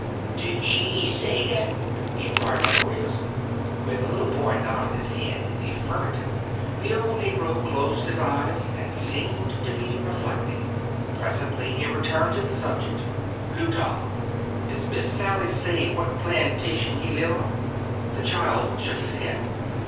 '* "Did she say dat?" inquired Uncle Re mus. When the little boy nodded his head in the affirmative, the old negro closed his eyes and seemed to be reflecting. Pres ently he retumed to the subject. "Plu tarch! Is Miss Sally say what plantation he live on?'* The child shook his head.